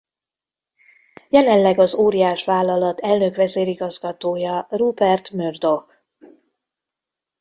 Jelenleg az óriás vállalat elnök-vezérigazgatója Rupert Murdoch.